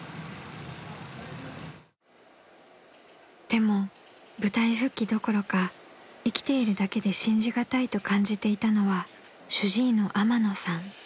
［でも舞台復帰どころか生きているだけで信じがたいと感じていたのは主治医の天野さん］